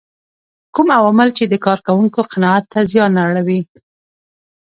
کوم عوامل چې د کار کوونکو قناعت ته زیان اړوي.